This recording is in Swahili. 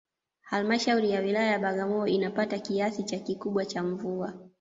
Halmashauri ya Wilaya ya Bagamyo inapata kiasi cha kikubwa cha mvua